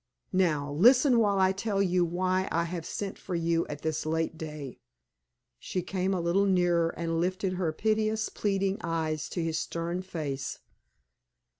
Now, listen while I tell you why I have sent for you at this late day." She came a little nearer and lifted her piteous, pleading eyes to his stern face.